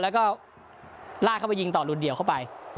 แล้วก็ลากเข้าไปยิงต่อรูนเดี่ยวเข้าไป